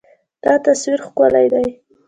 دا تصویر ښکلی دی.